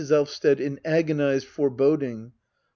Elvsted. [In agonised foreboding.'